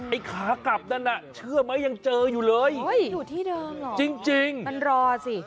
ไอ้ขากลับนั่นน่ะเชื่อไหมยังเจออยู่เลยอยู่ที่เดิมเหรอจริงจริงมันรอสิ